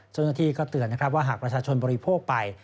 เจ้าหน้าที่ก็เตือนนะครับว่าหากประชาชนบริโภคไป